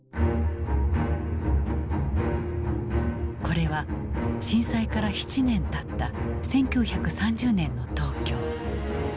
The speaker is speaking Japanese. これは震災から７年たった１９３０年の東京。